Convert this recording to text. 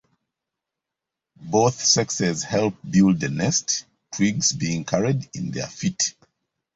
Both sexes help build the nest, twigs being carried in their feet.